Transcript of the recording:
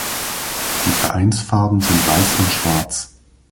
Die Vereinsfarben sind Weiß und Schwarz.